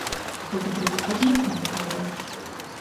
Гэта трэба прадметна разглядаць!